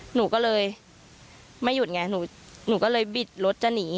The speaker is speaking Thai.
หนูก็เลยไม่หยุดไงหนูก็เลยบิดรถจะหนี